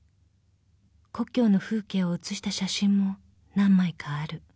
［故郷の風景を写した写真も何枚かある］